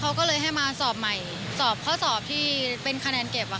อาจารย์ได้พิกัดว่าเป็นคนอะไร